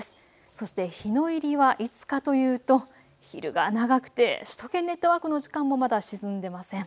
そして日の入りはいつかというと昼が長くて首都圏ネットワークの時間もまだ沈んでいません。